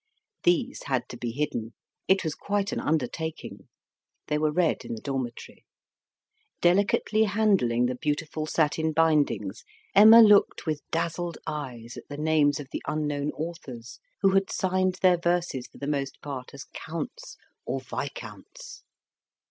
These had to be hidden; it was quite an undertaking; they were read in the dormitory. Delicately handling the beautiful satin bindings, Emma looked with dazzled eyes at the names of the unknown authors, who had signed their verses for the most part as counts or viscounts.